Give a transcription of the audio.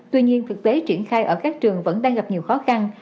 tuy nhiên thực tế triển khai ở các trường vẫn đang gặp nhiều khó khăn